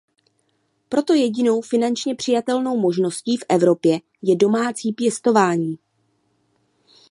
Proto jedinou finančně přijatelnou možností v Evropě je domácí pěstování.